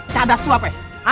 cadas lu apa ya